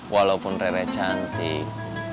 walaupun rere cantik